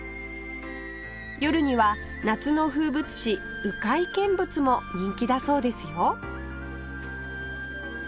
夜には夏の風物詩鵜飼見物も人気だそうですよ